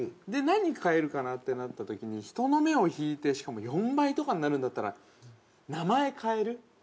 何を変えるかなってなったときに人の目を引いてしかも４倍とかになるんだったら名前変える。